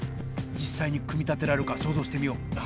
実さいに組み立てられるかそうぞうしてみよう。